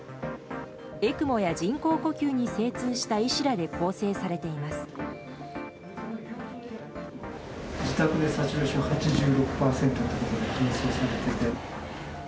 ＥＣＭＯや人工呼吸に精通した医師らで構成されています。